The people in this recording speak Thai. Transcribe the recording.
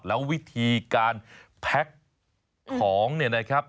แล้ววิธีการแพ็คของเนี่ยนะครับ